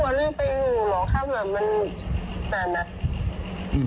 ความเหมือนมันหนาหนัก